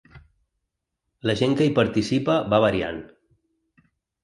La gent que hi participa va variant.